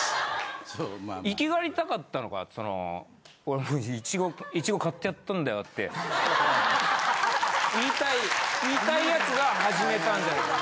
いきがりたかったのかイチゴ狩ってやったんだよって言いたい奴が始めたんじゃ。